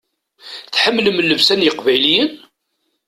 Tḥemmlem llebsa n yeqbayliyen?